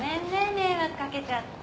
迷惑掛けちゃって。